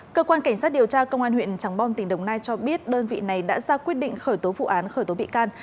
cơ quan cảnh sát điều tra công an huyện trắng bom tỉnh đồng nai cho biết đơn vị này đã ra quyết định khởi tố vụ án khởi tố bị can